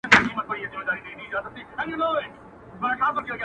د ښایستونو خدایه سر ټيټول تاته نه وه~